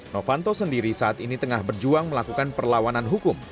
novanto sendiri saat ini tengah berjuang melakukan perlawanan hukum